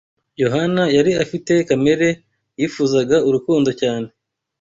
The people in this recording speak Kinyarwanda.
Yohana yari afite kamere yifuzaga urukundo cyane